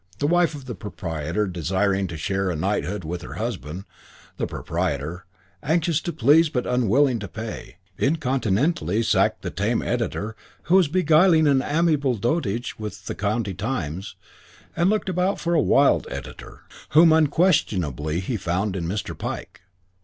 The wife of the proprietor desiring to share a knighthood with her husband, the proprietor, anxious to please but unwilling to pay, incontinently sacked the tame editor who was beguiling an amiable dotage with the County Times and looked about for a wild editor, whom unquestionably he found in Mr. Pike.